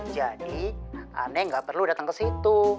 jadi aneh gak perlu datang kesitu